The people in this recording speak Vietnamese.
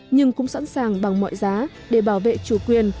nhưng cũng sẵn sàng bằng mọi giá để bảo vệ chủ quyền